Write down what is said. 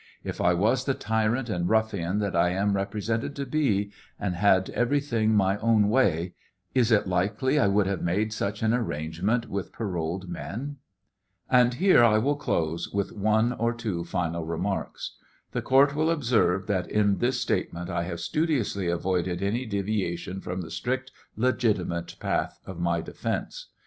If I was the tyrant and ruffian that I am represented to be, and had every thing my own way, is it likely I would have made such an arrangement with pSroled men ? And here I will close with one or two final remarks. The court will observe that in this statement I have studiously avoided any deviation from the strict, legitimate path of my defence.